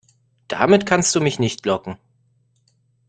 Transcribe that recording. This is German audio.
Damit kannst du mich nicht locken.